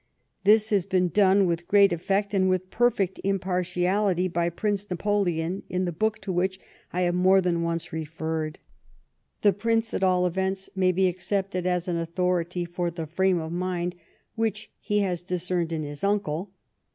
This has been done with great eii'ect and with ])erfect impartiality by Prince Napoleon in the book* to which I have more than once referred. The Prince, at all events., may be accepted as an authority for the frame of mind which he has discerned in his uncle.